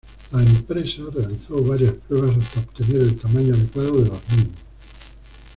La empresa realizó varias pruebas hasta obtener el tamaño adecuado de los mismos.